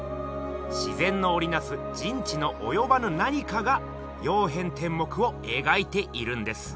自然のおりなす人知のおよばぬ何かが「曜変天目」をえがいているんです。